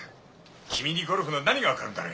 キミにゴルフの何がわかるんだね！